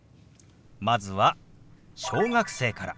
まずは小学生から。